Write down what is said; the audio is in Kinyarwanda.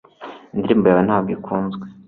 Indirimbo yawe ntabwo ikunzwe